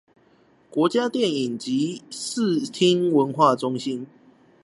國家電影及視聽文化中心